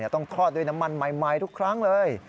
คลอดด้วยน้ำมันใหม่ทุกครั้งเลย